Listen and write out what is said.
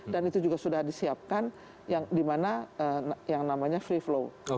dan itu juga sudah disiapkan yang namanya free flow